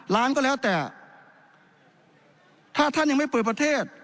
ล้านก็แล้วแต่ถ้าท่านยังไม่เปิดประเทศ